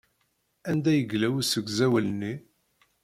Anda yella usegzawal-nni?